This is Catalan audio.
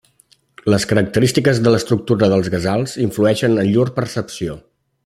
Les característiques de l'estructura dels gazals influeixen en llur percepció.